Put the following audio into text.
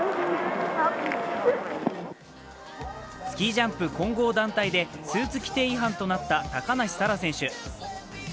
スキージャンプ混合団体でスーツの規定違反となった高梨沙羅選手。